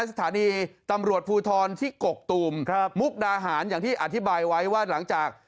สถานีตำรวจภูทรที่กกตูมครับมุกดาหารอย่างที่อธิบายไว้ว่าหลังจาก